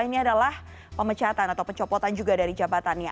ini adalah pemecatan atau pencopotan juga dari jabatannya